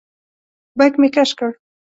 بیک مې کش کړ.